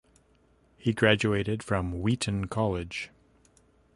He graduated from Wheaton College.